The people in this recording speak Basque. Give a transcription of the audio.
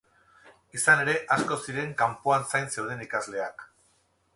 Izan ere, asko ziren kanpoan zain zeuden ikasleak.